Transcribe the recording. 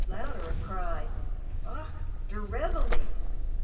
Louderer cried, "Ach, der reveille!"